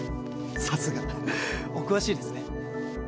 さすがお詳しいですね